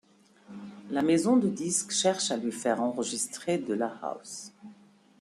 La maison de disques cherche à lui faire enregistrer de la house.